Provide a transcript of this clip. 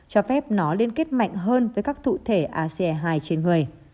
cho phép nó liên kết mạnh hơn với các thụ thể ace hai trên người